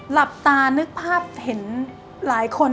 หลับตานึกภาพเห็นหลายคน